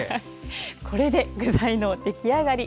これで具材の出来上がり。